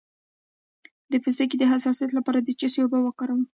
د پوستکي د حساسیت لپاره د څه شي اوبه وکاروم؟